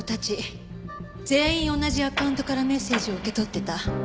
全員同じアカウントからメッセージを受け取ってた。